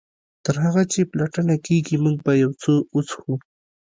تر هغه چې پلټنه کیږي موږ به یو څه وڅښو